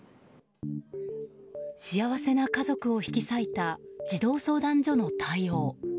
幸せな家族を引き裂いた児童相談所の対応。